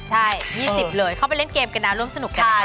ใช่๒๐เลยเข้าไปเล่นเกมกันนะร่วมสนุกกันได้